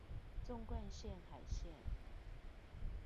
縱貫線海線